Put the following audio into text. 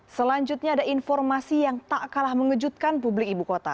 selanjutnya ada informasi yang tak kalah mengejutkan publik ibu kota